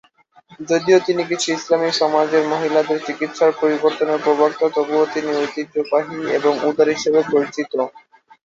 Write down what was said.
যদিও তিনি কিছু ইসলামী সমাজের মহিলাদের চিকিত্সার পরিবর্তনের প্রবক্তা, তবুও তিনি ঐতিহ্যবাহী এবং উদার হিসাবে পরিচিত।